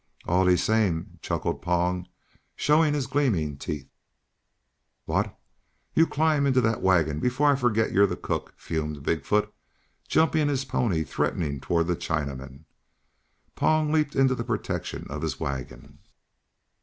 "Allee same," chuckled Pong, showing his gleaming teeth. "What! You climb into that wagon before I forget you're the cook!" fumed Big foot, jumping his pony threateningly toward the Chinaman. Pong leaped into the protection of his wagon.